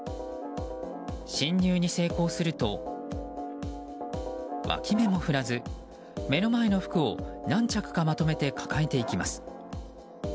侵入に成功するとわき目もふらず目の前の服を何着かまとめて抱えていきます。